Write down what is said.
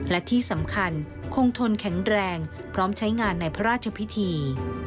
และที่สำคัญคงทนแข็งแรงพร้อมใช้งานในพระราชพิธี